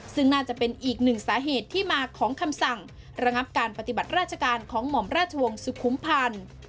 ซึ่งน่าจะเป็นอีกหนึ่งสาเหตุที่มาของคำสั่งระงับการปฏิบัติราชการของหม่อมราชวงศ์สุขุมพันธ์